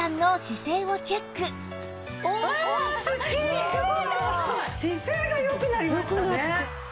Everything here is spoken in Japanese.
姿勢が良くなりましたね。